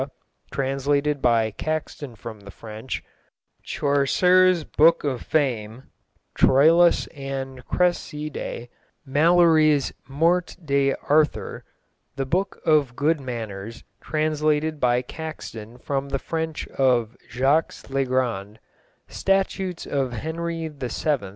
translated by Caxton from the French; Chaucer's Book of Fame; Troylus and Creside; Malory's Morte d'Arthur; The Book of Good Manners, translated by Caxton from the French of Jacques Legrand; _Statutes of Henry VII.